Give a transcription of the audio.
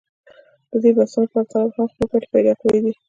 د دې بحثونو لپاره طالب هم خپل ګټې پېدا کړې دي.